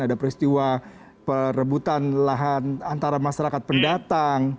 ada peristiwa perebutan lahan antara masyarakat pendatang